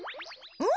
うん。